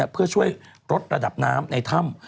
เพื่อช่วยลดระดับน้ำในถ้ำ